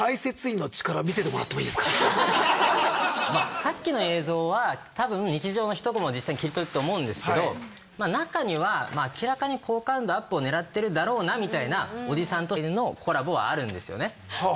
さっきの映像はたぶん日常の一こまを実際に切り取ったと思うんですけど中には明らかに好感度アップを狙ってるだろうなみたいなおじさんと犬のコラボはあるんですよね。